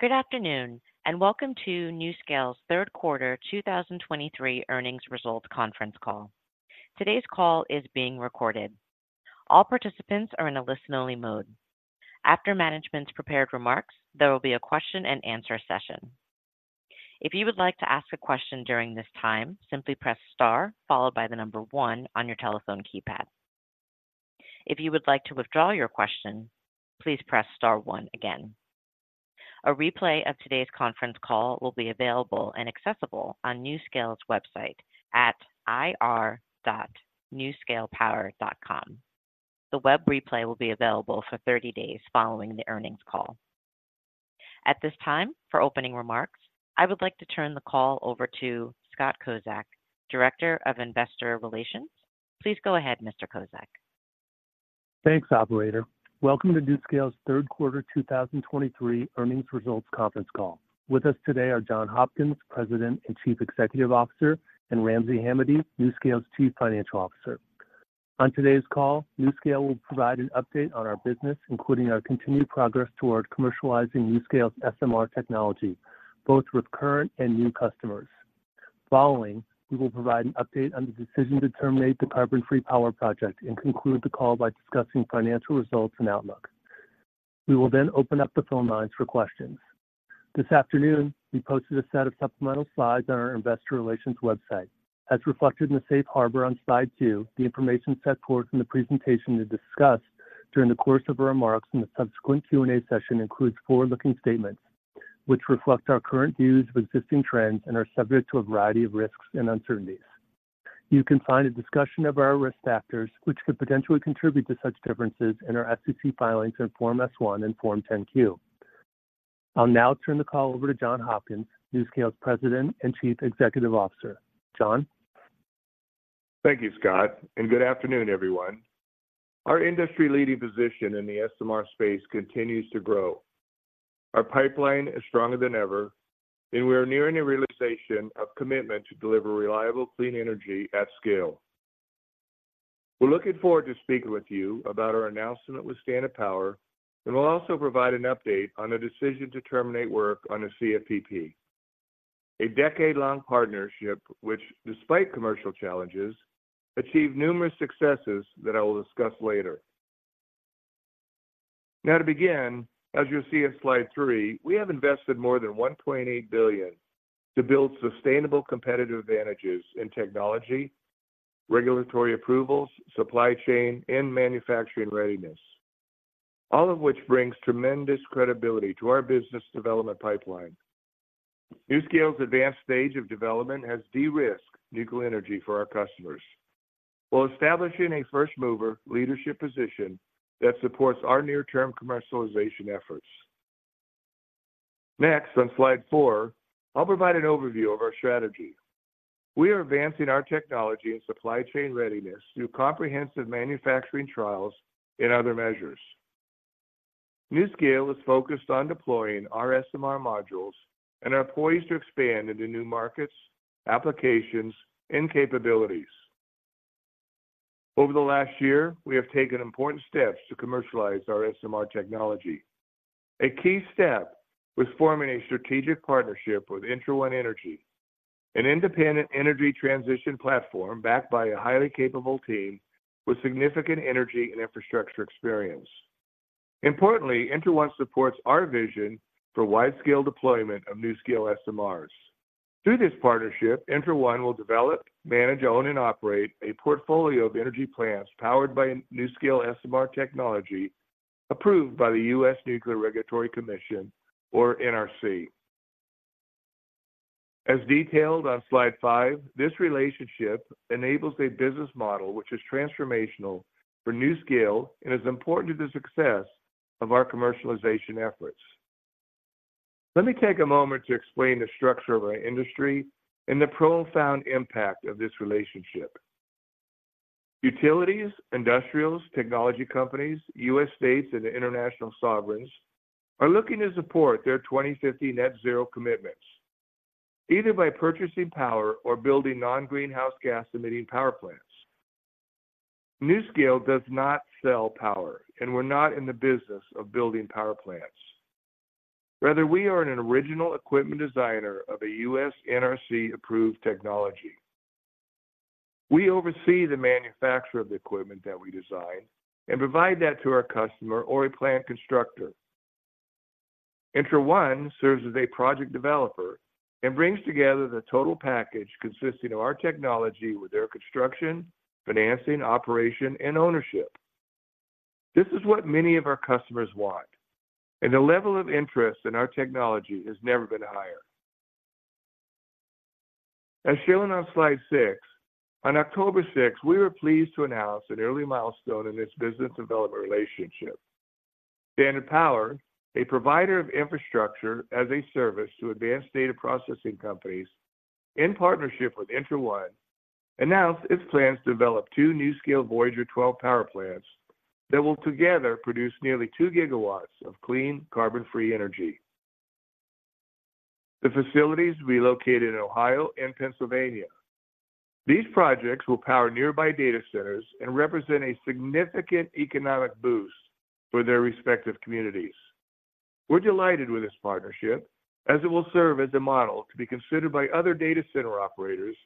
Good afternoon, and welcome to NuScale's third quarter 2023 earnings results conference call. Today's call is being recorded. All participants are in a listen-only mode. After management's prepared remarks, there will be a question-and-answer session. If you would like to ask a question during this time, simply press star followed by the number one on your telephone keypad. If you would like to withdraw your question, please press star one again. A replay of today's conference call will be available and accessible on NuScale's website at ir.nuscalepower.com. The web replay will be available for 30 days following the earnings call. At this time, for opening remarks, I would like to turn the call over to Scott Kozak, Director of Investor Relations. Please go ahead, Mr. Kozak. Thanks, operator. Welcome to NuScale's third quarter 2023 earnings results conference call. With us today are John Hopkins, President and Chief Executive Officer, and Ramsey Hamady, NuScale's Chief Financial Officer. On today's call, NuScale will provide an update on our business, including our continued progress toward commercializing NuScale's SMR technology both with current and new customers. Following, we will provide an update on the decision to terminate the Carbon Free Power Project and conclude the call by discussing financial results and outlook. We will then open up the phone lines for questions. This afternoon, we posted a set of supplemental slides on our Investor Relations website. As reflected in the Safe Harbor on slide two, the information set forth in the presentation to discuss during the course of our remarks and the subsequent Q&A session includes forward-looking statements, which reflect our current views of existing trends and are subject to a variety of risks and uncertainties. You can find a discussion of our risk factors, which could potentially contribute to such differences in our SEC filings in Form S-1 and Form 10-Q. I'll now turn the call over to John Hopkins, NuScale's President and Chief Executive Officer. John? Thank you, Scott, and good afternoon, everyone. Our industry-leading position in the SMR space continues to grow. Our pipeline is stronger than ever, and we are nearing the realization of commitment to deliver reliable, clean energy at scale. We're looking forward to speaking with you about our announcement with Standard Power. And we'll also provide an update on the decision to terminate work on the CFPP, a decade-long partnership which, despite commercial challenges, achieved numerous successes that I will discuss later. Now, to begin, as you'll see in slide three, we have invested more than $1.8 billion to build sustainable competitive advantages in technology, regulatory approvals, supply chain, and manufacturing readiness, all of which brings tremendous credibility to our business development pipeline. NuScale's advanced stage of development has de-risked nuclear energy for our customers, while establishing a first-mover leadership position that supports our near-term commercialization efforts. Next, on slide four, I'll provide an overview of our strategy. We are advancing our technology and supply chain readiness through comprehensive manufacturing trials and other measures. NuScale is focused on deploying our SMR modules and are poised to expand into new markets, applications, and capabilities. Over the last year, we have taken important steps to commercialize our SMR technology. A key step was forming a strategic partnership with ENTRA1 Energy, an independent energy transition platform backed by a highly capable team with significant energy and infrastructure experience. Importantly, ENTRA1 supports our vision for wide-scale deployment of NuScale SMRs. Through this partnership, ENTRA1 will develop, manage, own, and operate a portfolio of energy plants powered by NuScale SMR technology, approved by the U.S. Nuclear Regulatory Commission or NRC. As detailed on slide five, this relationship enables a business model which is transformational for NuScale and is important to the success of our commercialization efforts. Let me take a moment to explain the structure of our industry and the profound impact of this relationship. Utilities, industrials, technology companies, U.S. states, and international sovereigns are looking to support their 2050 net-zero commitments, either by purchasing power or building non-greenhouse gas-emitting power plants. NuScale does not sell power, and we're not in the business of building power plants. Rather, we are an original equipment designer of a U.S. NRC-approved technology. We oversee the manufacture of the equipment that we design and provide that to our customer or a plant constructor. ENTRA1 serves as a project developer and brings together the total package consisting of our technology with their construction, financing, operation, and ownership. This is what many of our customers want, and the level of interest in our technology has never been higher. As shown on slide six, on October 6, we were pleased to announce an early milestone in this business development relationship. Standard Power, a provider of infrastructure as a service to advanced data processing companies, in partnership with ENTRA1, announced its plans to develop two NuScale VOYGR-12 power plants that will together produce nearly 2 GW of clean, carbon-free energy. The facilities will be located in Ohio and Pennsylvania. These projects will power nearby data centers and represent a significant economic boost for their respective communities. We're delighted with this partnership, as it will serve as a model to be considered by other data center operators,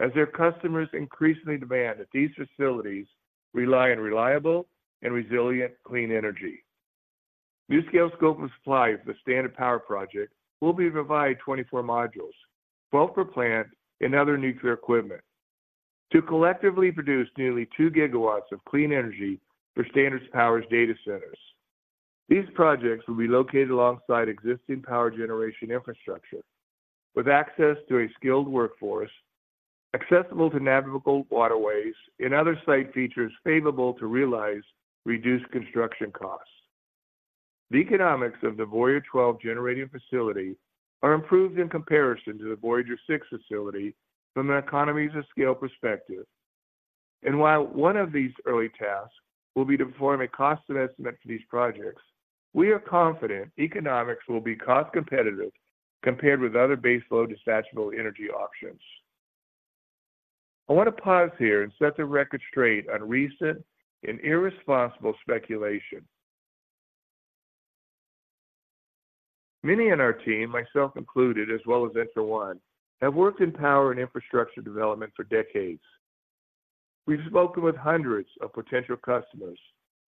as their customers increasingly demand that these facilities rely on reliable and resilient clean energy. NuScale's scope of supply for the Standard Power Project will be to provide 24 modules, 12 per plant, and other nuclear equipment, to collectively produce nearly 2 GW of clean energy for Standard Power's data centers. These projects will be located alongside existing power generation infrastructure, with access to a skilled workforce, accessible to navigable waterways, and other site features favorable to realize reduced construction costs. The economics of the VOYGR-12 generating facility are improved in comparison to the VOYGR-6 facility from an economies of scale perspective. And while one of these early tasks will be to perform a cost estimate for these projects, we are confident economics will be cost competitive compared with other baseload dispatchable energy options. I want to pause here and set the record straight on recent and irresponsible speculation. Many in our team, myself included, as well as ENTRA1, have worked in power and infrastructure development for decades. We've spoken with hundreds of potential customers.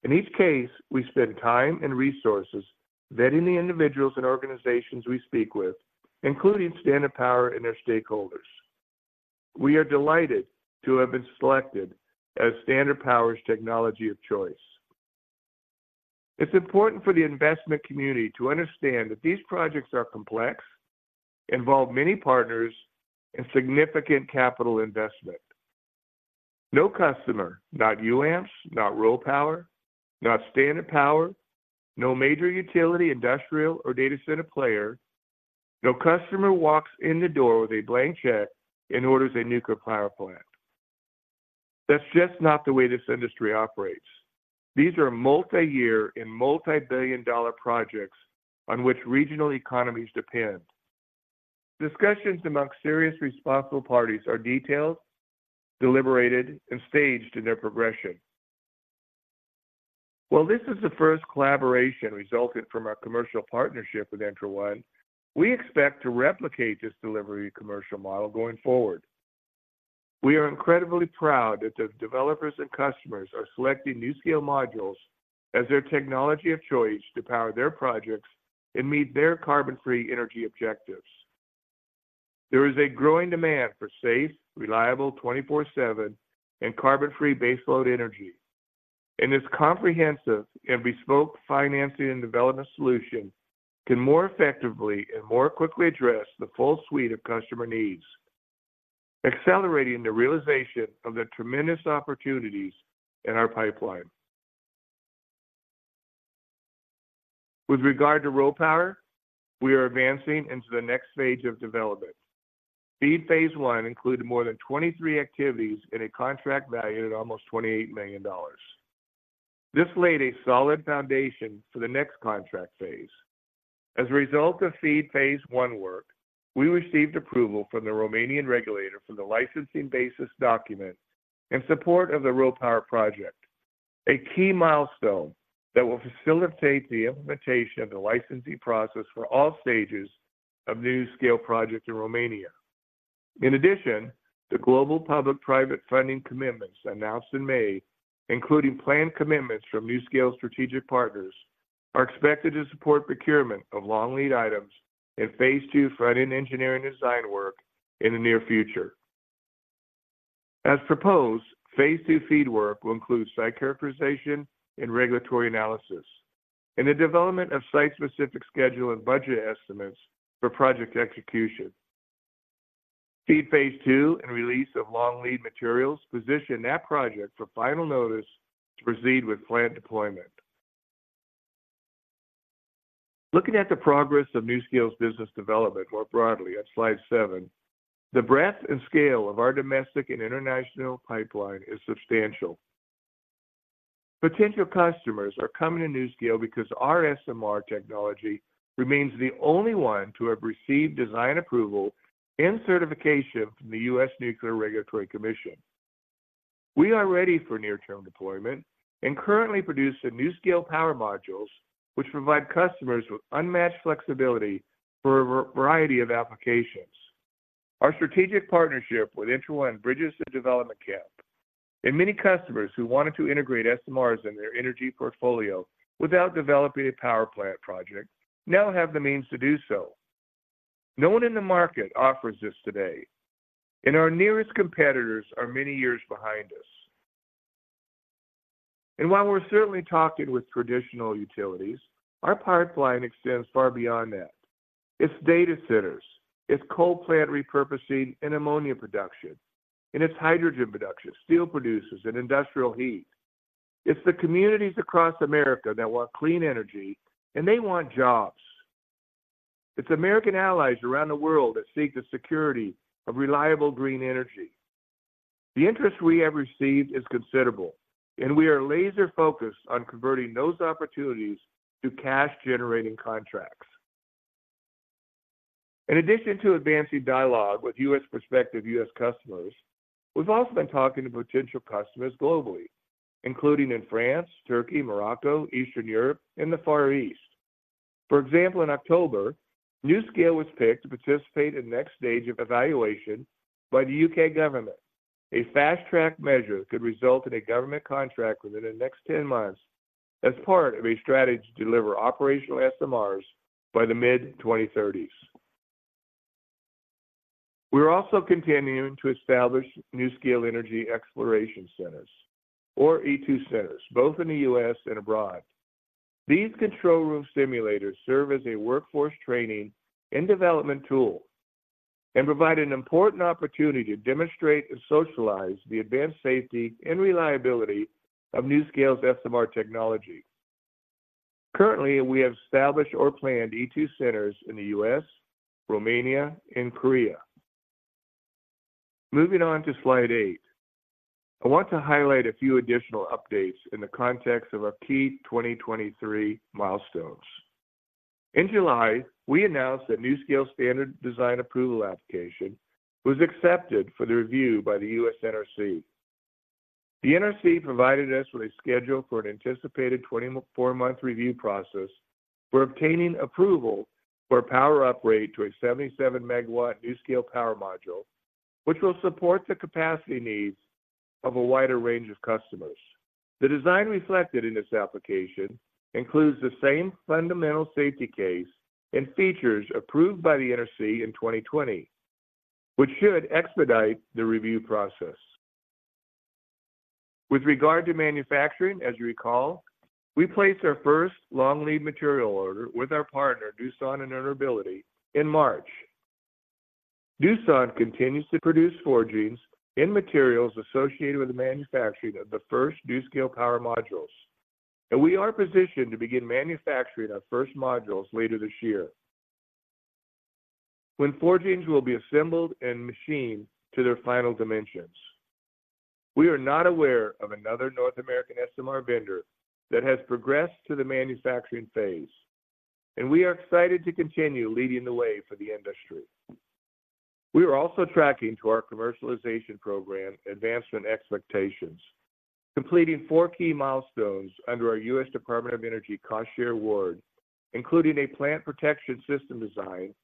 In each case, we spend time and resources vetting the individuals and organizations we speak with, including Standard Power and their stakeholders. We are delighted to have been selected as Standard Power's technology of choice. It's important for the investment community to understand that these projects are complex, involve many partners, and significant capital investment. No customer, not UAMPS, not RoPower, not Standard Power, no major utility, industrial, or data center player, no customer walks in the door with a blank check and orders a nuclear power plant. That's just not the way this industry operates. These are multi-year and multi-billion dollar projects on which regional economies depend. Discussions among serious, responsible parties are detailed, deliberated, and staged in their progression. While this is the first collaboration resulted from our commercial partnership with ENTRA1 Energy, we expect to replicate this delivery commercial model going forward. We are incredibly proud that the developers and customers are selecting NuScale modules as their technology of choice to power their projects and meet their carbon-free energy objectives. There is a growing demand for safe, reliable 24/7 and carbon-free baseload energy. This comprehensive and bespoke financing and development solution can more effectively and more quickly address the full suite of customer needs, accelerating the realization of the tremendous opportunities in our pipeline. With regard to RoPower, we are advancing into the next stage of development. FEED Phase 1 included more than 23 activities in a contract valued at almost $28 million. This laid a solid foundation for the next contract phase. As a result of FEED Phase 1 work, we received approval from the Romanian regulator for the Licensing Basis Document in support of the RoPower Project, a key milestone that will facilitate the implementation of the licensing process for all stages of NuScale projects in Romania. In addition, the global public-private funding commitments announced in May, including planned commitments from NuScale's strategic partners, are expected to support procurement of long lead items in Phase 2 Front-End Engineering Design work in the near future. As proposed, Phase 2 FEED work will include site characterization and regulatory analysis, and the development of site-specific schedule and budget estimates for project execution. FEED Phase 2 and release of long lead materials position that project for final notice to proceed with plant deployment. Looking at the progress of NuScale's business development more broadly on slide seven, the breadth and scale of our domestic and international pipeline is substantial. Potential customers are coming to NuScale because our SMR technology remains the only one to have received design approval and certification from the U.S. Nuclear Regulatory Commission. We are ready for near-term deployment and currently produce the NuScale Power Modules, which provide customers with unmatched flexibility for a variety of applications. Our strategic partnership with ENTRA1 bridges the development gap, and many customers who wanted to integrate SMRs in their energy portfolio without developing a power plant project now have the means to do so. No one in the market offers this today, and our nearest competitors are many years behind us. And while we're certainly talking with traditional utilities, our pipeline extends far beyond that. It's data centers, it's coal plant repurposing and ammonia production, and it's hydrogen production, steel producers, and industrial heat. It's the communities across America that want clean energy, and they want jobs. It's American allies around the world that seek the security of reliable green energy. The interest we have received is considerable, and we are laser-focused on converting those opportunities to cash-generating contracts. In addition to advancing dialogue with U.S. prospective U.S. customers, we've also been talking to potential customers globally, including in France, Turkey, Morocco, Eastern Europe, and the Far East. For example, in October, NuScale was picked to participate in the next stage of evaluation by the U.K. government. A fast-track measure could result in a government contract within the next 10 months as part of a strategy to deliver operational SMRs by the mid-2030s. We're also continuing to establish NuScale Energy Exploration Centers, or E2 Centers, both in the U.S. and abroad. These control room simulators serve as a workforce training and development tool and provide an important opportunity to demonstrate and socialize the advanced safety and reliability of NuScale's SMR technology. Currently, we have established or planned E2 Centers in the U.S., Romania, and Korea. Moving on to slide eight, I want to highlight a few additional updates in the context of our key 2023 milestones. In July, we announced that NuScale Standard Design Approval application was accepted for the review by the U.S. NRC. The NRC provided us with a schedule for an anticipated 24-month review process for obtaining approval for a power uprate to a 77-MW NuScale Power Module, which will support the capacity needs of a wider range of customers. The design reflected in this application includes the same fundamental safety case and features approved by the NRC in 2020, which should expedite the review process. With regard to manufacturing, as you recall, we placed our first long-lead material order with our partner, Doosan Enerbility, in March. Doosan continues to produce forgings and materials associated with the manufacturing of the first NuScale Power Modules, and we are positioned to begin manufacturing our first modules later this year, when forgings will be assembled and machined to their final dimensions. We are not aware of another North American SMR vendor that has progressed to the manufacturing phase, and we are excited to continue leading the way for the industry. We are also tracking to our commercialization program advancement expectations, completing four key milestones under our U.S. Department of Energy cost share award, including a plant protection system design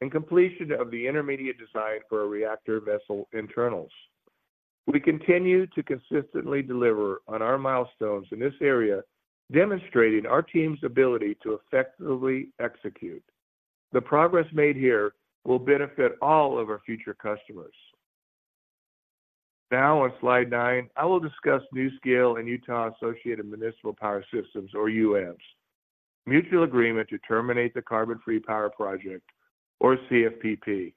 and completion of the intermediate design for our reactor vessel internals. We continue to consistently deliver on our milestones in this area, demonstrating our team's ability to effectively execute. The progress made here will benefit all of our future customers. Now, on slide nine, I will discuss NuScale and Utah Associated Municipal Power Systems, or UAMPS, mutual agreement to terminate the Carbon Free Power Project, or CFPP.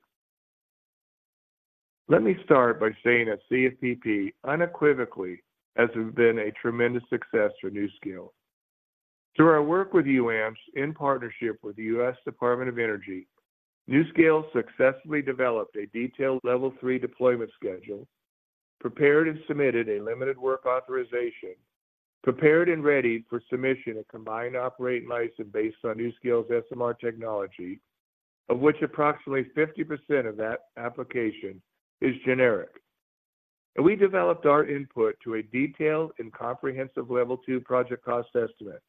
Let me start by saying that CFPP unequivocally has been a tremendous success for NuScale. Through our work with UAMPS, in partnership with the U.S. Department of Energy, NuScale successfully developed a detailed Level 3 deployment schedule, prepared and submitted a limited work authorization, prepared and readied for submission a combined operating license based on NuScale's SMR technology, of which approximately 50% of that application is generic. We developed our input to a detailed and comprehensive Level 2 project cost estimate.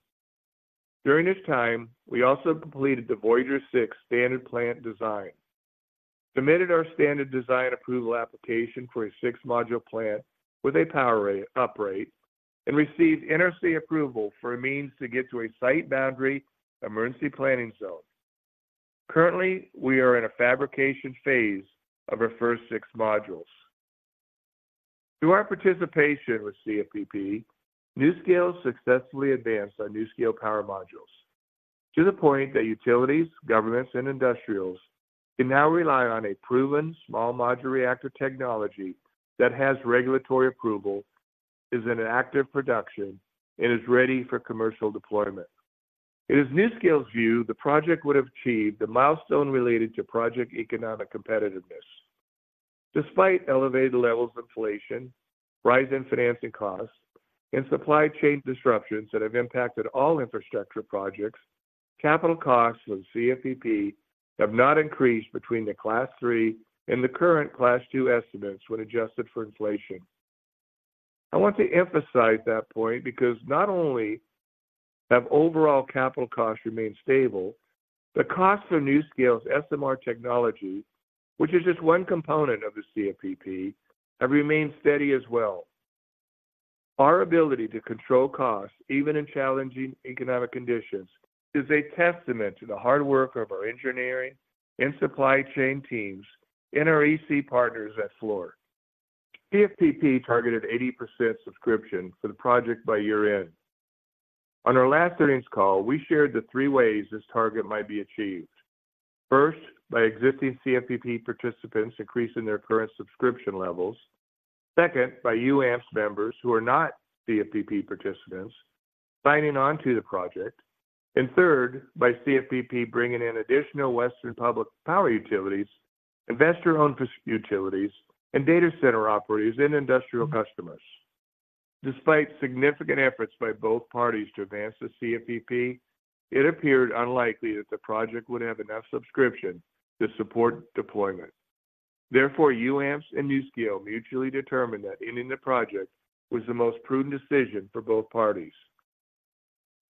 During this time, we also completed the VOYGR-6 standard plant design, submitted our standard design approval application for a six-module plant with a power uprate, and received NRC approval for a means to get to a site boundary emergency planning zone. Currently, we are in a fabrication phase of our first six modules. Through our participation with CFPP, NuScale successfully advanced our NuScale Power Modules to the point that utilities, governments, and industrials can now rely on a proven small modular reactor technology that has regulatory approval, is in an active production, and is ready for commercial deployment. It is NuScale's view the project would have achieved the milestone related to project economic competitiveness. Despite elevated levels of inflation, rise in financing costs, and supply chain disruptions that have impacted all infrastructure projects, capital costs for the CFPP have not increased between the Class 3 and the current Class 2 estimates when adjusted for inflation. I want to emphasize that point because not only have overall capital costs remained stable, the cost of NuScale's SMR technology, which is just one component of the CFPP, have remained steady as well. Our ability to control costs, even in challenging economic conditions, is a testament to the hard work of our engineering and supply chain teams in our EC partners at Fluor. CFPP targeted 80% subscription for the project by year-end. On our last earnings call, we shared the three ways this target might be achieved. First, by existing CFPP participants increasing their current subscription levels. Second, by UAMPS members who are not CFPP participants signing on to the project, and third, by CFPP bringing in additional Western public power utilities, investor-owned utilities, and data center operators and industrial customers. Despite significant efforts by both parties to advance the CFPP, it appeared unlikely that the project would have enough subscription to support deployment. Therefore, UAMPS and NuScale mutually determined that ending the project was the most prudent decision for both parties.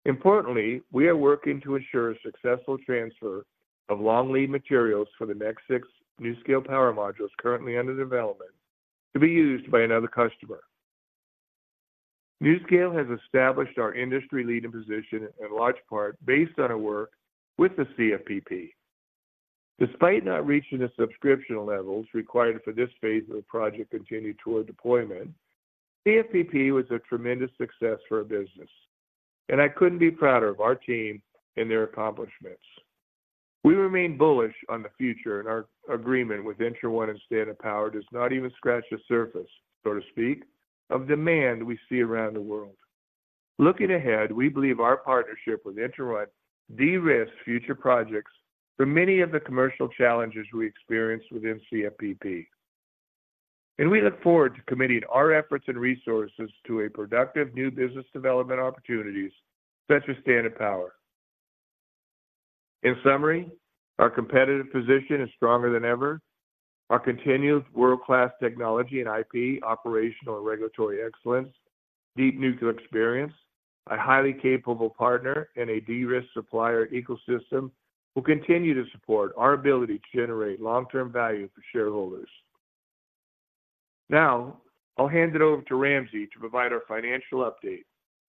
Importantly, we are working to ensure a successful transfer of long lead materials for the next six NuScale Power Modules currently under development, to be used by another customer. NuScale has established our industry-leading position in large part based on our work with the CFPP. Despite not reaching the subscription levels required for this phase of the project continued toward deployment, CFPP was a tremendous success for our business, and I couldn't be prouder of our team and their accomplishments. We remain bullish on the future, and our agreement with ENTRA1 and Standard Power does not even scratch the surface, so to speak, of demand we see around the world. Looking ahead, we believe our partnership with ENTRA1 de-risks future projects for many of the commercial challenges we experienced within CFPP. We look forward to committing our efforts and resources to a productive new business development opportunities, such as Standard Power. In summary, our competitive position is stronger than ever. Our continued world-class technology and IP, operational and regulatory excellence, deep nuclear experience, a highly capable partner, and a de-risked supplier ecosystem will continue to support our ability to generate long-term value for shareholders. Now, I'll hand it over to Ramsey to provide our financial update.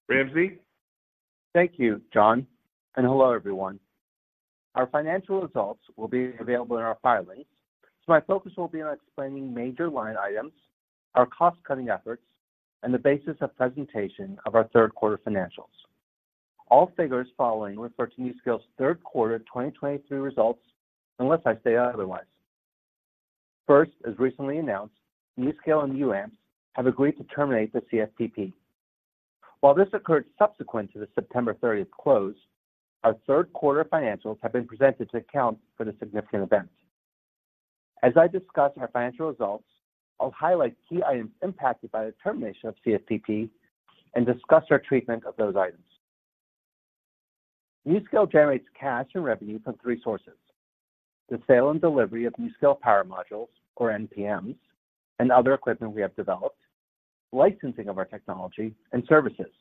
Ramsey? Thank you, John, and hello, everyone. Our financial results will be available in our filings, so my focus will be on explaining major line items, our cost-cutting efforts, and the basis of presentation of our third quarter financials. All figures following refer to NuScale's third quarter 2023 results, unless I say otherwise. First, as recently announced, NuScale and UAMPS have agreed to terminate the CFPP. While this occurred subsequent to the September 30th close. Our third quarter financials have been presented to account for the significant event. As I discuss our financial results, I'll highlight key items impacted by the termination of CFPP and discuss our treatment of those items. NuScale generates cash and revenue from three sources: the sale and delivery of NuScale Power Modules, or NPMs, and other equipment we have developed, licensing of our technology and services.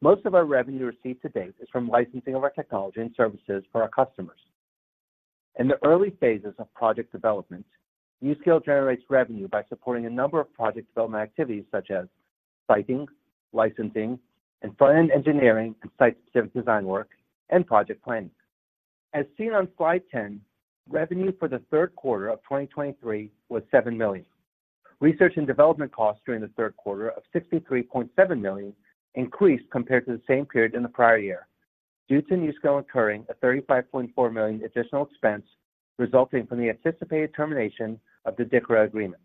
Most of our revenue received to date is from licensing of our technology and services for our customers. In the early phases of project development, NuScale generates revenue by supporting a number of project development activities such as siting, licensing, and front-end engineering, and site-specific design work, and project planning. As seen on slide 10, revenue for the third quarter of 2023 was $7 million. Research and development costs during the third quarter of $63.7 million increased compared to the same period in the prior year, due to NuScale incurring a $35.4 million additional expense resulting from the anticipated termination of the DCRA agreement.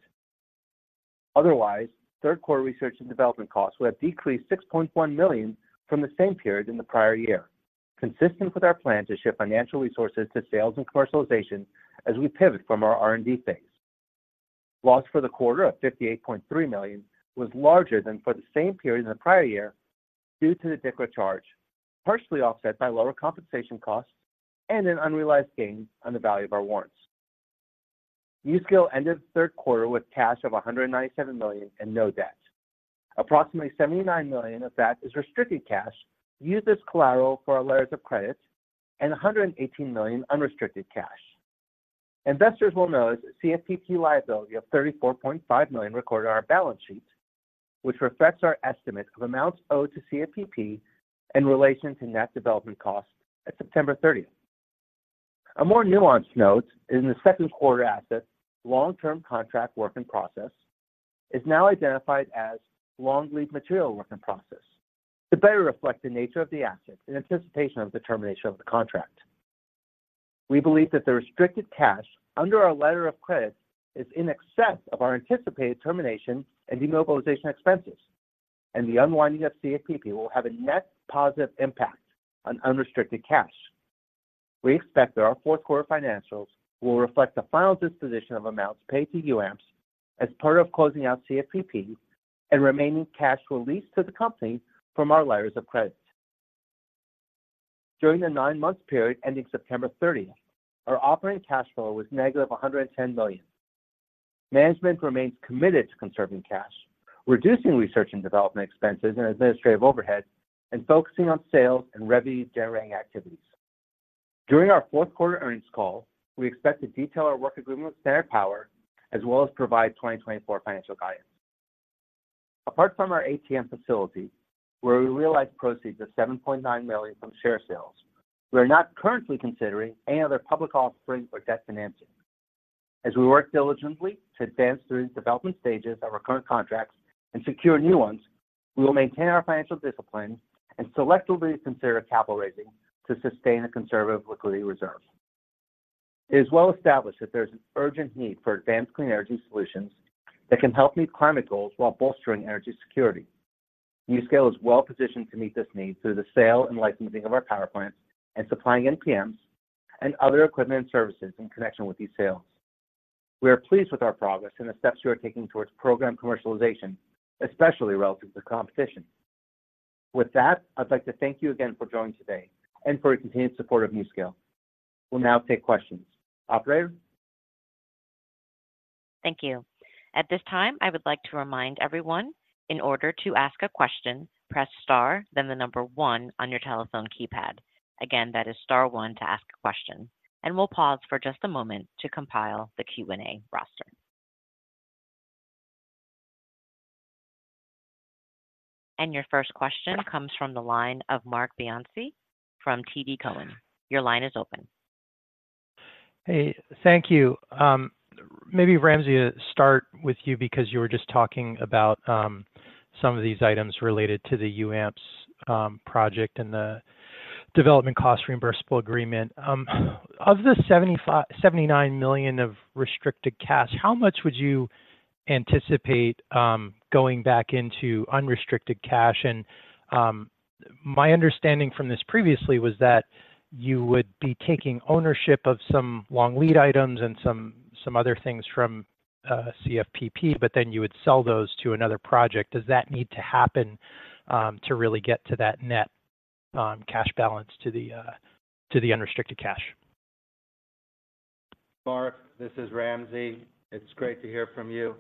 Otherwise, third quarter research and development costs would have decreased $6.1 million from the same period in the prior year, consistent with our plan to shift financial resources to sales and commercialization as we pivot from our R&D phase. Loss for the quarter of $58.3 million was larger than for the same period in the prior year due to the DCRA charge, partially offset by lower compensation costs and an unrealized gain on the value of our warrants. NuScale ended the third quarter with cash of $197 million and no debt. Approximately $79 million of that is restricted cash, used as collateral for our letters of credit and $118 million unrestricted cash. Investors will notice CFPP liability of $34.5 million recorded on our balance sheet, which reflects our estimate of amounts owed to CFPP in relation to net development costs at September 30. A more nuanced note in the second quarter assets, long-term contract work in process, is now identified as long lead material work in process to better reflect the nature of the asset in anticipation of the termination of the contract. We believe that the restricted cash under our letter of credit is in excess of our anticipated termination and demobilization expenses, and the unwinding of CFPP will have a net positive impact on unrestricted cash. We expect that our fourth quarter financials will reflect the final disposition of amounts paid to UAMPS as part of closing out CFPP and remaining cash released to the company from our letters of credit. During the nine-month period ending September 30th, our operating cash flow was -$110 million. Management remains committed to conserving cash, reducing research and development expenses and administrative overhead, and focusing on sales and revenue-generating activities. During our fourth quarter earnings call, we expect to detail our work agreement with Standard Power, as well as provide 2024 financial guidance. Apart from our ATM facility, where we realized proceeds of $7.9 million from share sales, we are not currently considering any other public offerings or debt financing. As we work diligently to advance through the development stages of our current contracts and secure new ones, we will maintain our financial discipline and selectively consider capital raising to sustain a conservative liquidity reserve. It is well established that there's an urgent need for advanced clean energy solutions that can help meet climate goals while bolstering energy security. NuScale is well-positioned to meet this need through the sale and licensing of our power plants and supplying NPMs and other equipment and services in connection with these sales. We are pleased with our progress and the steps we are taking towards program commercialization, especially relative to competition. With that, I'd like to thank you again for joining today and for your continued support of NuScale. We'll now take questions. Operator? Thank you. At this time, I would like to remind everyone, in order to ask a question, press star, then the number one on your telephone keypad. Again, that is star one to ask a question, and we'll pause for just a moment to compile the Q&A roster. Your first question comes from the line of Marc Bianchi from TD Cowen. Your line is open. Hey, thank you. Maybe Ramsey, to start with you because you were just talking about some of these items related to the UAMPS project and the development cost reimbursable agreement. Of the $79 million of restricted cash, how much would you anticipate going back into unrestricted cash? And my understanding from this previously was that you would be taking ownership of some long lead items and some other things from CFPP, but then you would sell those to another project. Does that need to happen to really get to that net cash balance to the unrestricted cash? Marc, this is Ramsey. It's great to hear from you,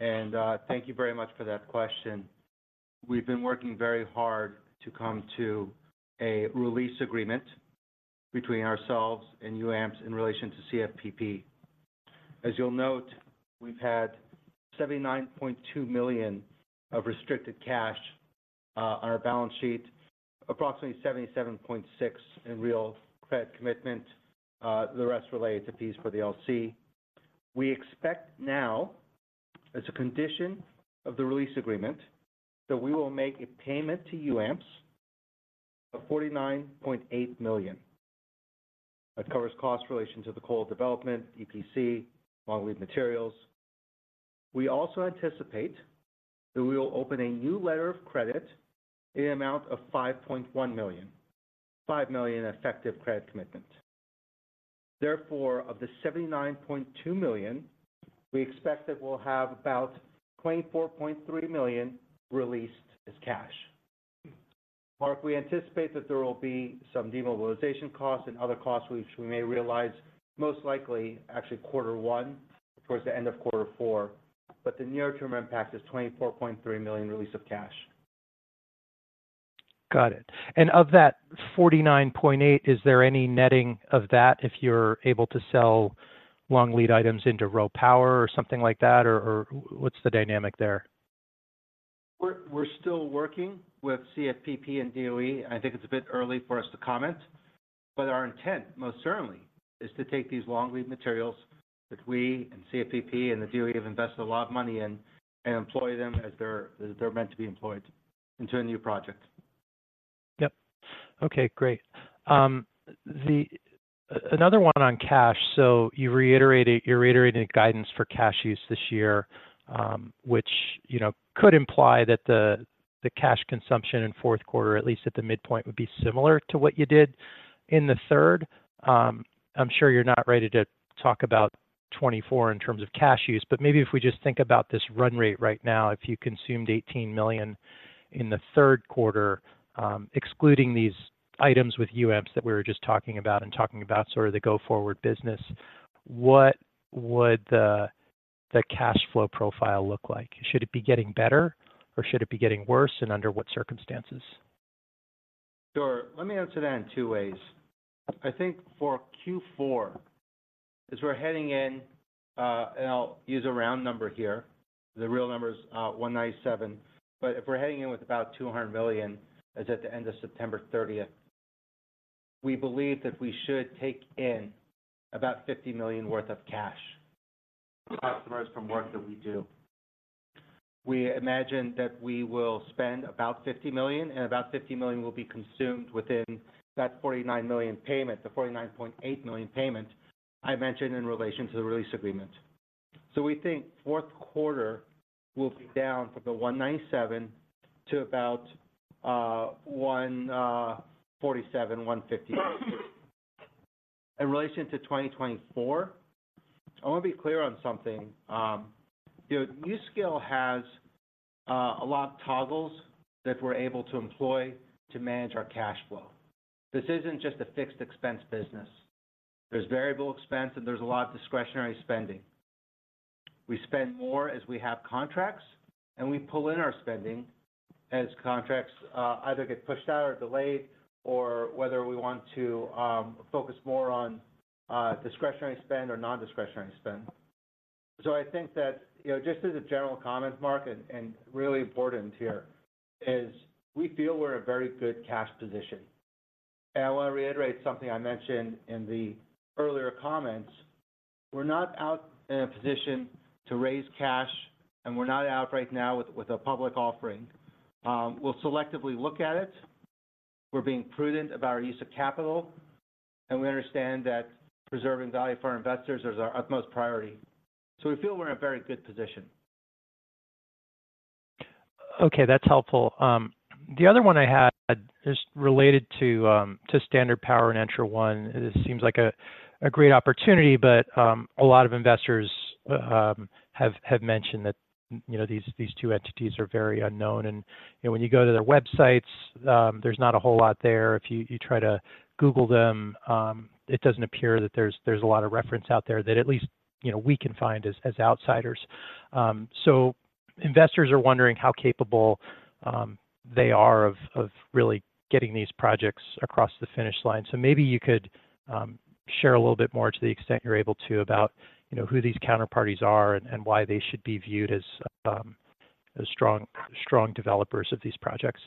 and thank you very much for that question. We've been working very hard to come to a release agreement between ourselves and UAMPS in relation to CFPP. As you'll note, we've had $79.2 million of restricted cash on our balance sheet, approximately $77.6 million in real credit commitment, the rest related to fees for the LC. We expect now, as a condition of the release agreement, that we will make a payment to UAMPS of $49.8 million. That covers costs in relation to the coal development, EPC, long lead materials. We also anticipate that we will open a new letter of credit in the amount of $5.1 million, $5 million effective credit commitment. Therefore, of the $79.2 million, we expect that we'll have about $24.3 million released as cash. Marc, we anticipate that there will be some demobilization costs and other costs, which we may realize, most likely, actually quarter one towards the end of quarter four, but the near-term impact is $24.3 million release of cash. Got it. And of that $49.8 million, is there any netting of that if you're able to sell long lead items into RoPower or something like that, or, or what's the dynamic there? We're still working with CFPP and DOE. I think it's a bit early for us to comment, but our intent, most certainly, is to take these long lead materials that we and CFPP and the DOE have invested a lot of money in and employ them as they're meant to be employed into a new project. Yep. Okay, great. Another one on cash. So you reiterated, you reiterated guidance for cash use this year, which, you know, could imply that the cash consumption in fourth quarter, at least at the midpoint, would be similar to what you did in the third. I'm sure you're not ready to talk about 2024 in terms of cash use. But maybe if we just think about this run rate right now, if you consumed $18 million in the third quarter, excluding these items with UAMPS that we were just talking about, and talking about sort of the go-forward business. What would the cash flow profile look like? Should it be getting better, or should it be getting worse, and under what circumstances? Sure. Let me answer that in two ways. I think for Q4, as we're heading in, and I'll use a round number here, the real number is $197 million. But if we're heading in with about $200 million, as at the end of September 30th, we believe that we should take in about $50 million worth of cash from customers from work that we do. We imagine that we will spend about $50 million, and about $50 million will be consumed within that $49 million payment, the $49.8 million payment I mentioned in relation to the release agreement. So we think fourth quarter will be down from the $197 million to about $147 million-$150 million. In relation to 2024, I want to be clear on something. You know, NuScale has a lot of toggles that we're able to employ to manage our cash flow. This isn't just a fixed expense business. There's variable expense, and there's a lot of discretionary spending. We spend more as we have contracts, and we pull in our spending as contracts either get pushed out or delayed, or whether we want to focus more on discretionary spend or non-discretionary spend. So I think that, you know, just as a general comment, Marc, and really important here, is we feel we're in a very good cash position. I want to reiterate something I mentioned in the earlier comments: We're not out in a position to raise cash, and we're not out right now with a public offering. We'll selectively look at it. We're being prudent about our use of capital, and we understand that preserving value for our investors is our utmost priority. So we feel we're in a very good position. Okay, that's helpful. The other one I had is related to Standard Power and ENTRA1. It seems like a great opportunity, but a lot of investors have mentioned that, you know, these two entities are very unknown. And, you know, when you go to their websites, there's not a whole lot there. If you try to Google them, it doesn't appear that there's a lot of reference out there that at least, you know, we can find as outsiders. So investors are wondering how capable they are of really getting these projects across the finish line. So maybe you could share a little bit more to the extent you're able to, about, you know, who these counterparties are and why they should be viewed as strong developers of these projects.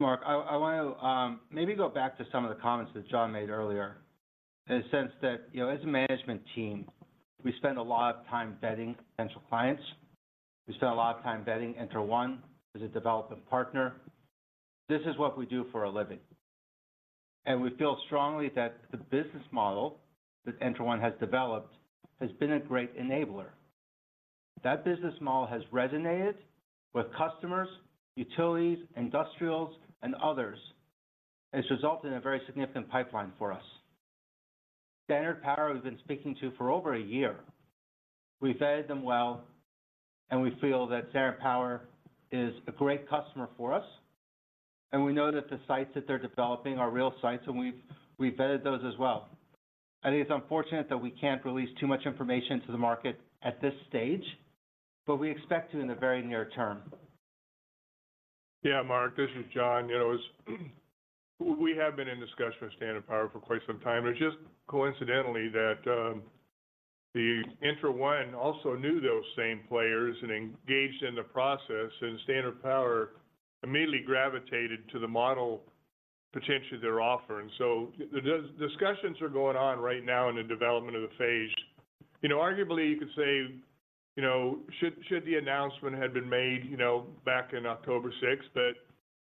Marc, I wanna maybe go back to some of the comments that John made earlier, in the sense that, you know, as a management team, we spend a lot of time vetting potential clients. We spend a lot of time vetting ENTRA1 as a development partner. This is what we do for a living, and we feel strongly that the business model that ENTRA1 has developed has been a great enabler. That business model has resonated with customers, utilities, industrials, and others, and it's resulted in a very significant pipeline for us. Standard Power, we've been speaking to for over a year. We vetted them well, and we feel that Standard Power is a great customer for us, and we know that the sites that they're developing are real sites, and we've vetted those as well. I think it's unfortunate that we can't release too much information to the market at this stage, but we expect to in the very near term. Yeah, Marc, this is John. You know, it's we have been in discussion with Standard Power for quite some time. It's just coincidentally that the ENTRA1 also knew those same players and engaged in the process. And Standard Power immediately gravitated to the model, potentially, they're offering. So the discussions are going on right now in the development of the phase. You know, arguably, you could say, you know, should the announcement had been made, you know, back in October 6th.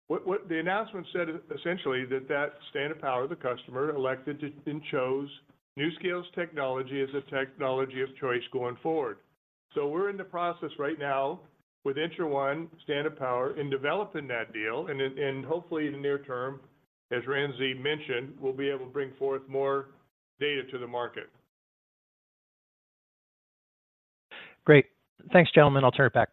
But what the announcement said essentially, that Standard Power, the customer, elected to and chose NuScale's technology as a technology of choice going forward. So we're in the process right now with ENTRA1, Standard Power, in developing that deal, and hopefully in the near term, as Ramsey mentioned, we'll be able to bring forth more data to the market. Great. Thanks, gentlemen. I'll turn it back.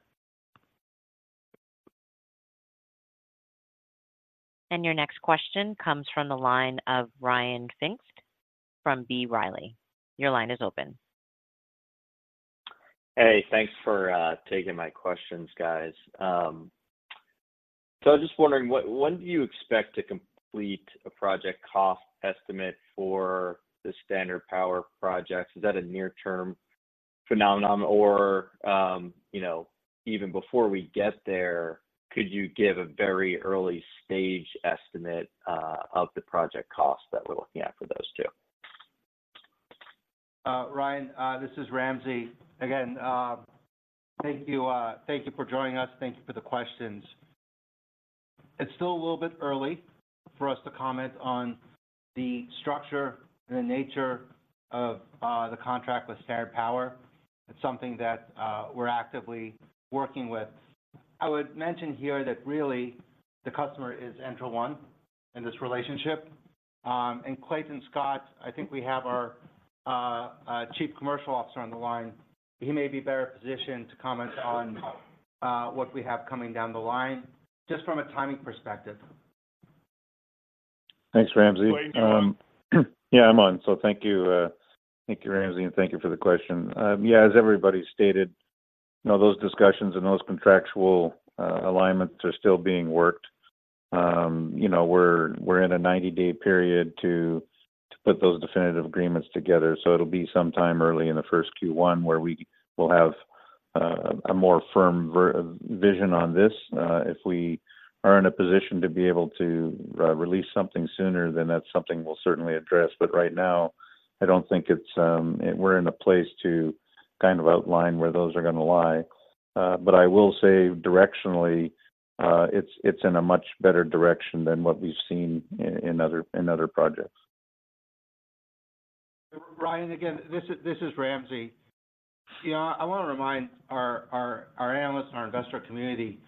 Your next question comes from the line of Ryan Pfingst from B. Riley. Your line is open. Hey, thanks for taking my questions, guys. So I was just wondering, when do you expect to complete a project cost estimate for the Standard Power projects? Is that a near-term phenomenon or, you know, even before we get there, could you give a very early-stage estimate of the project costs that we're looking at for those two? Ryan, this is Ramsey. Again, thank you for joining us, thank you for the questions. It's still a little bit early for us to comment on the structure and the nature of the contract with Standard Power. It's something that we're actively working with. I would mention here that really the customer is ENTRA1 in this relationship. And Clayton Scott, I think we have our Chief Commercial Officer on the line. He may be better positioned to comment on what we have coming down the line, just from a timing perspective. Thanks, Ramsey. Clayton, go ahead. Yeah, I'm on. So thank you. Thank you, Ramsey, and thank you for the question. Yeah, as everybody stated, you know, those discussions and those contractual alignments are still being worked. You know, we're in a 90-day period to put those definitive agreements together, so it'll be sometime early in the first Q1 where we will have a more firm vision on this. If we are in a position to be able to release something sooner, then that's something we'll certainly address, but right now, I don't think it's we're in a place to kind of outline where those are gonna lie. But I will say directionally, it's in a much better direction than what we've seen in other projects. Ryan, again, this is Ramsey. You know, I wanna remind our analysts and our investor community,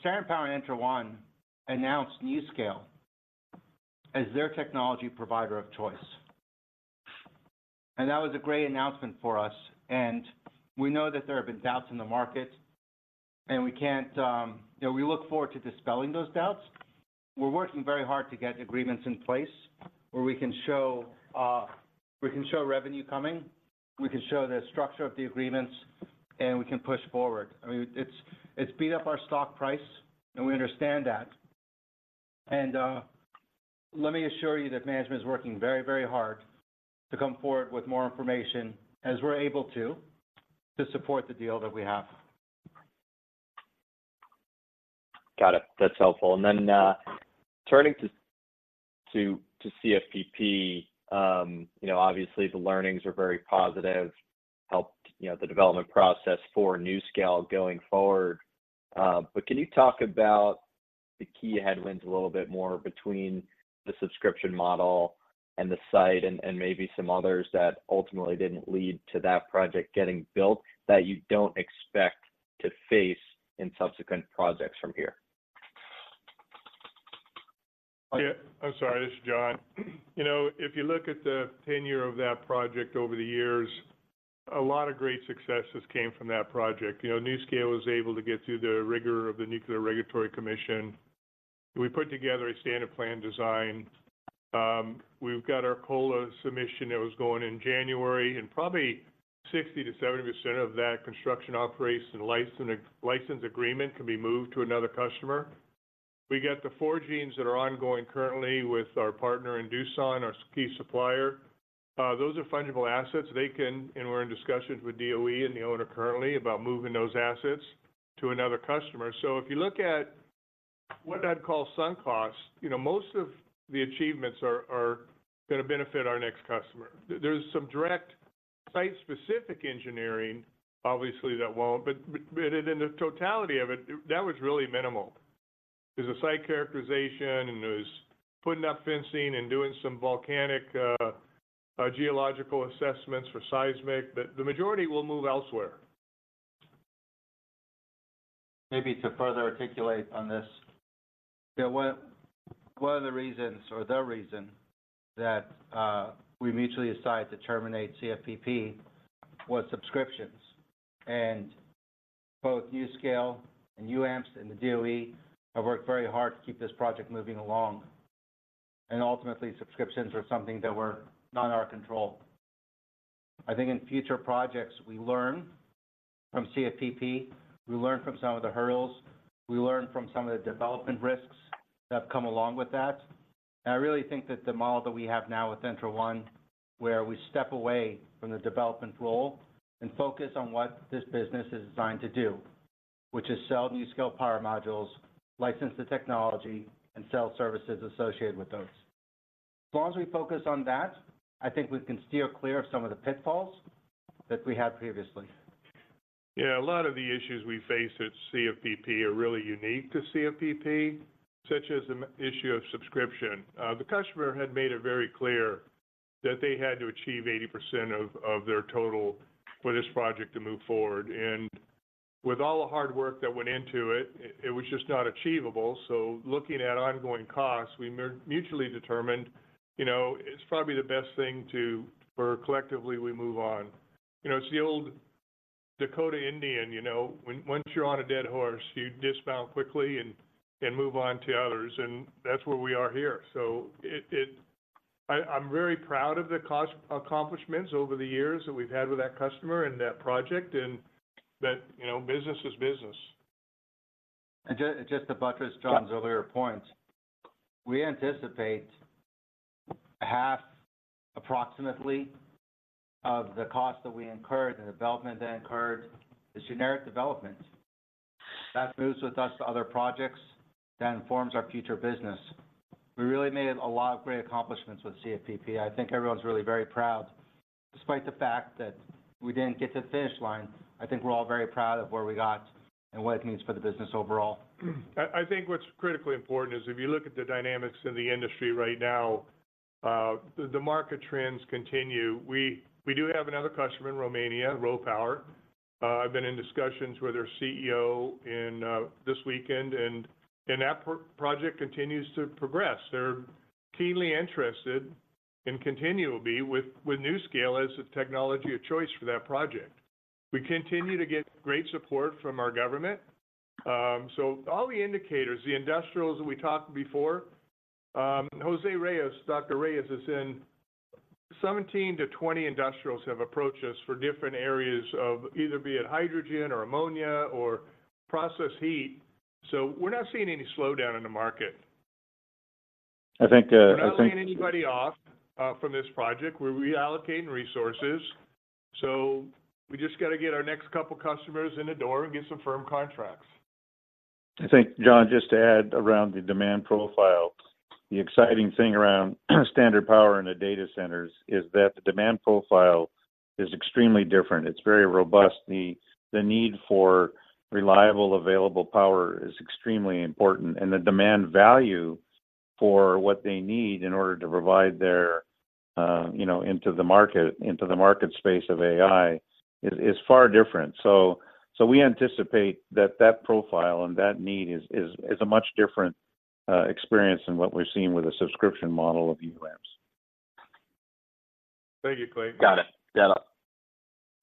Standard Power and ENTRA1 announced NuScale as their technology provider of choice. And that was a great announcement for us. And we know that there have been doubts in the market, and we can't. You know, we look forward to dispelling those doubts. We're working very hard to get agreements in place where we can show revenue coming, we can show the structure of the agreements, and we can push forward. I mean, it's beat up our stock price, and we understand that. And, let me assure you that management is working very, very hard to come forward with more information, as we're able to, to support the deal that we have. Got it. That's helpful. And then turning to CFPP, you know, obviously the learnings are very positive, helped, you know, the development process for NuScale going forward. But can you talk about the key headwinds a little bit more between the subscription model and the site, and maybe some others that ultimately didn't lead to that project getting built, that you don't expect to face in subsequent projects from here? Yeah. I'm sorry, this is John. You know, if you look at the tenure of that project over the years, a lot of great successes came from that project. You know, NuScale was able to get through the rigor of the Nuclear Regulatory Commission. We put together a standard plant design. We've got our COLA submission that was going in January, and probably 60%-70% of that construction, operations and license, license agreement can be moved to another customer. We got the forgings that are ongoing currently with our partner in Doosan, our key supplier. Those are fungible assets. They can and we're in discussions with DOE and the owner currently about moving those assets to another customer. So if you look at what I'd call sunk costs, you know, most of the achievements are, are gonna benefit our next customer. There, there's some direct site-specific engineering, obviously, that won't... But in the totality of it, that was really minimal. There's a site characterization, and there's putting up fencing and doing some volcanic geological assessments for seismic, but the majority will move elsewhere. Maybe to further articulate on this, yeah, one, one of the reasons or the reason that we mutually decided to terminate CFPP was subscriptions. And both NuScale and UAMPS and the DOE have worked very hard to keep this project moving along, and ultimately, subscriptions are something that were not in our control. I think in future projects, we learn from CFPP, we learn from some of the hurdles, we learn from some of the development risks that have come along with that. And I really think that the model that we have now with ENTRA1, where we step away from the development role and focus on what this business is designed to do, which is sell NuScale Power Modules, license the technology, and sell services associated with those. As long as we focus on that, I think we can steer clear of some of the pitfalls that we had previously. Yeah, a lot of the issues we face at CFPP are really unique to CFPP, such as the issue of subscription. The customer had made it very clear that they had to achieve 80% of their total for this project to move forward. And with all the hard work that went into it, it was just not achievable. So looking at ongoing costs, we mutually determined, you know, it's probably the best thing to, for collectively, we move on. You know, it's the old Dakota Indian, you know, once you're on a dead horse, you dismount quickly and move on to others, and that's where we are here. So I'm very proud of the accomplishments over the years that we've had with that customer and that project, and that, you know, business is business. Just to buttress John's earlier point. We anticipate half, approximately, of the cost that we incurred, the development that incurred, the generic development, that moves with us to other projects that informs our future business. We really made a lot of great accomplishments with CFPP. I think everyone's really very proud. Despite the fact that we didn't get to the finish line, I think we're all very proud of where we got and what it means for the business overall. I think what's critically important is if you look at the dynamics in the industry right now, the market trends continue. We do have another customer in Romania, RoPower. I've been in discussions with their CEO in this weekend, and that project continues to progress. They're keenly interested and continue to be with NuScale as the technology of choice for that project. We continue to get great support from our government. So all the indicators, the industrials we talked before, José Reyes, Dr. Reyes is in 17-20 industrials have approached us for different areas of either be it hydrogen or ammonia or process heat, so we're not seeing any slowdown in the market. I think. We're not laying anybody off from this project. We're reallocating resources, so we just got to get our next couple customers in the door and get some firm contracts. I think, John, just to add around the demand profile. The exciting thing around Standard Power in the data centers is that the demand profile is extremely different. It's very robust. The need for reliable, available power is extremely important, and the demand value for what they need in order to provide their, you know, into the market, into the market space of AI, is far different. So we anticipate that that profile and that need is a much different experience than what we're seeing with the subscription model of UAMPS. Thank you, Clay. Got it.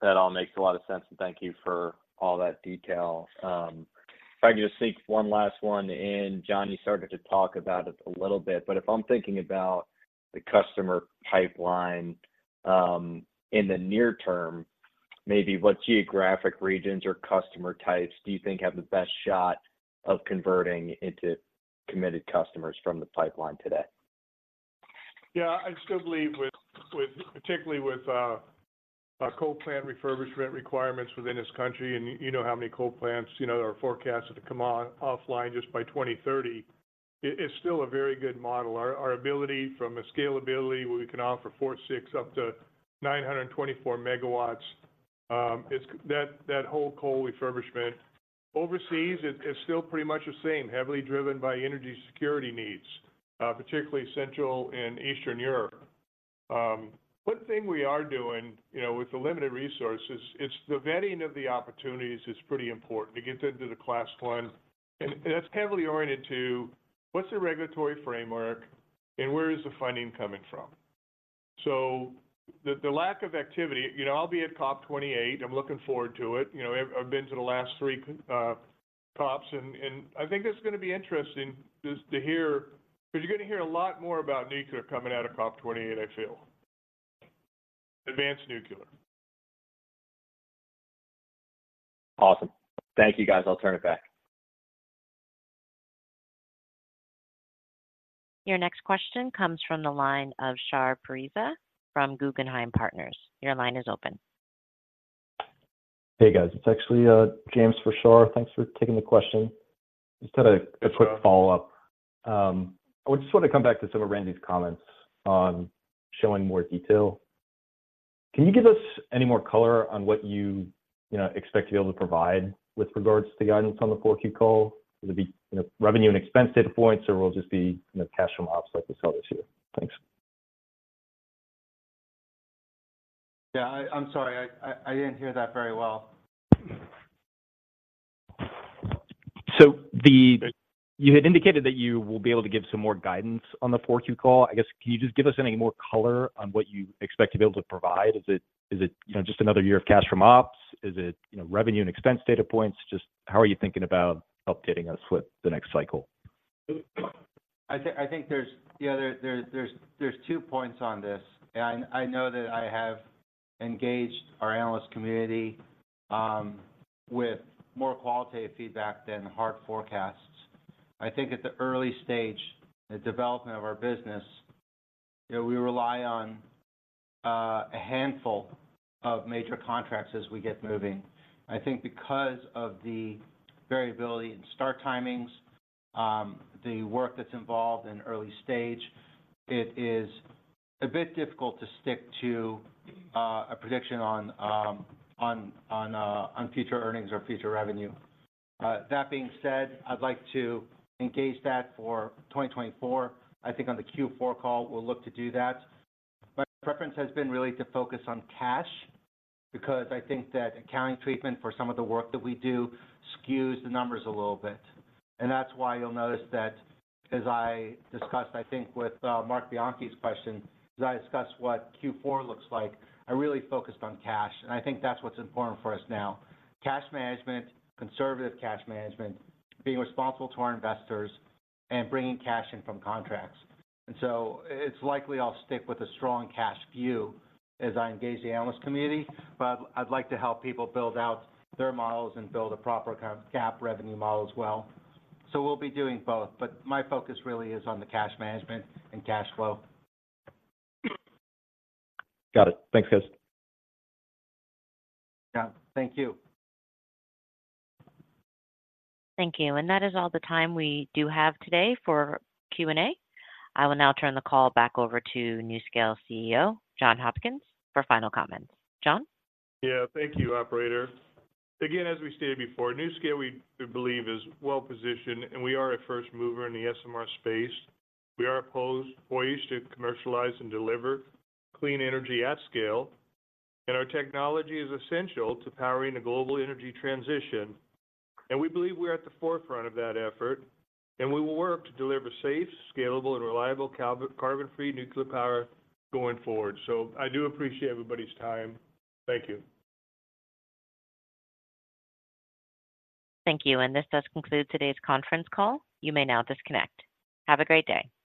That all makes a lot of sense, and thank you for all that detail. If I can just sneak one last one in, John, you started to talk about it a little bit, but if I'm thinking about the customer pipeline in the near term. Maybe what geographic regions or customer types do you think have the best shot of converting into committed customers from the pipeline today? Yeah, I still believe with, with, particularly with, coal plant refurbishment requirements within this country, and you know how many coal plants, you know, are forecasted to come offline just by 2030. It is still a very good model. Our, our ability from a scalability, where we can offer 4 MW, 6 MW up to 924 MWs, it's that, that whole coal refurbishment. Overseas, it's, it's still pretty much the same, heavily driven by energy security needs, particularly Central and Eastern Europe. One thing we are doing, you know, with the limited resources, it's the vetting of the opportunities is pretty important. It gets into the Class 1, and, and that's heavily oriented to what's the regulatory framework, and where is the funding coming from? So the, the lack of activity, you know, I'll be at COP28. I'm looking forward to it. You know, I've been to the last three COPs, and I think it's gonna be interesting just to hear, 'cause you're gonna hear a lot more about nuclear coming out of COP28, I feel. Advanced nuclear. Awesome. Thank you, guys. I'll turn it back. Your next question comes from the line of Shar Pourreza from Guggenheim Partners. Your line is open. Hey, guys. It's actually, uh, James for Shar. Thanks for taking the question. Just had a quick follow-up. I just wanna come back to some of Ramsey's comments on showing more detail. Can you give us any more color on what you, you know, expect to be able to provide with regards to guidance on the 4Q call? Will it be, you know, revenue and expense data points, or will it just be, you know, cash from ops like we saw this year? Thanks. Yeah, I'm sorry. I didn't hear that very well. You had indicated that you will be able to give some more guidance on the 4Q call. I guess, can you just give us any more color on what you expect to be able to provide? Is it, is it, you know, just another year of cash from ops? Is it, you know, revenue and expense data points? Just how are you thinking about updating us with the next cycle? I think there's two points on this. I know that I have engaged our analyst community with more qualitative feedback than hard forecasts. I think at the early stage in the development of our business, you know, we rely on a handful of major contracts as we get moving. I think because of the variability in start timings, the work that's involved in early stage, it is a bit difficult to stick to a prediction on future earnings or future revenue. That being said, I'd like to engage that for 2024. I think on the Q4 call, we'll look to do that. My preference has been really to focus on cash, because I think that accounting treatment for some of the work that we do skews the numbers a little bit. And that's why you'll notice that as I discussed, I think, with Marc Bianchi's question, as I discussed what Q4 looks like, I really focused on cash. I think that's what's important for us now. Cash management, conservative cash management, being responsible to our investors, and bringing cash in from contracts. And so it's likely I'll stick with a strong cash view as I engage the analyst community. But I'd like to help people build out their models and build a proper kind of gap revenue model as well. So we'll be doing both, but my focus really is on the cash management and cash flow. Got it. Thanks, guys. Yeah, thank you. Thank you, and that is all the time we do have today for Q&A. I will now turn the call back over to NuScale CEO, John Hopkins, for final comments. John? Yeah. Thank you, operator. Again, as we stated before, NuScale, we believe, is well positioned, and we are a first mover in the SMR space. We are poised to commercialize and deliver clean energy at scale, and our technology is essential to powering the global energy transition. And we believe we're at the forefront of that effort, and we will work to deliver safe, scalable, and reliable carbon-free nuclear power going forward. So I do appreciate everybody's time. Thank you. Thank you, and this does conclude today's conference call. You may now disconnect. Have a great day.